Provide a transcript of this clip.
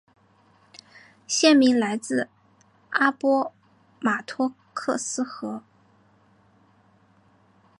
县名来自阿波马托克斯河。